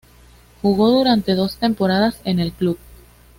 Jugó durante dos temporadas en el club.